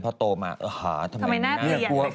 พอโตมาทำไมหน้าเปลี่ยนไปขนาดนั้น